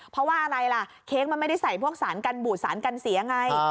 เพราะว่าอะไรล่ะเค้กมันไม่ได้ใส่พวกสารกันบูดสารกันเสียไง